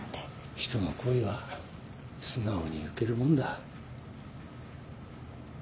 人の好意は素直に受けるもんだ。